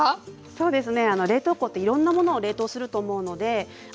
そうですね。